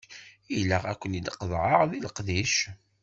Ilaq ad ken-id-qeḍɛeɣ deg leqdic.